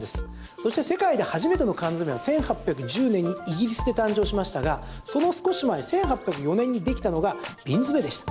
そして世界で初めての缶詰は１８１０年にイギリスで誕生しましたがその少し前１８０４年にできたのが瓶詰でした。